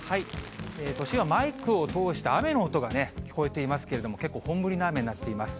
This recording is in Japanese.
都心はマイクを通して雨の音が聞こえていますけれども、結構、本降りの雨になってます。